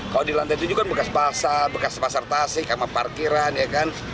kalau di lantai tujuh kan bekas pasar bekas pasar tasik sama parkiran ya kan